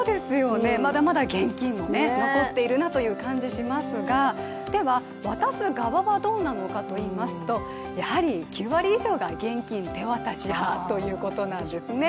まだまだ現金も残っているなという感じがしますが渡す側はどうなのかといいますと、やはり９割以上が現金手渡し派ということなんですね。